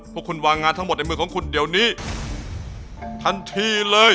พวกคุณวางงานทั้งหมดในมือของคุณเดี๋ยวนี้ทันทีเลย